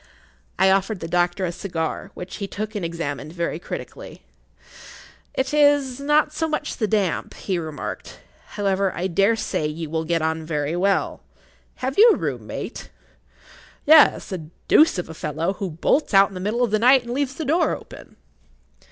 I offered the doctor a cigar, which he took and examined very critically.[Pg 26] "It is not so much the damp," he remarked. "However, I dare say you will get on very well. Have you a room mate?" "Yes; a deuce of a fellow, who bolts out in the middle of the night and leaves the door open."